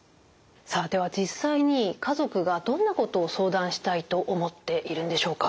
さあでは実際に家族がどんなことを相談したいと思っているんでしょうか。